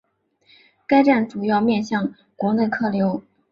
该站主要面向国内客流。